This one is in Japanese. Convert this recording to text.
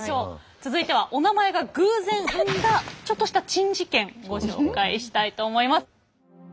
続いてはおなまえが偶然生んだちょっとした珍事件ご紹介したいと思います。